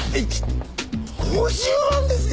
５０万ですよ！